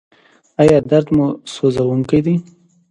ایا درد مو سوځونکی دی؟